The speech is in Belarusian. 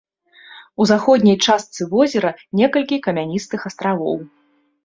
У заходняй частцы возера некалькі камяністых астравоў.